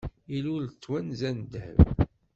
Ilul-d s twenza n ddheb.